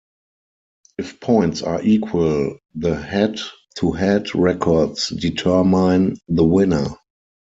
If points are equal, the head-to-head records determine the winner.